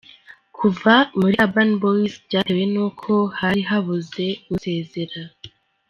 Kuva muri Urban Boys byatewe n’uko hari habuze usezera.